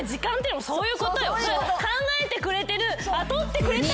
考えてくれてる。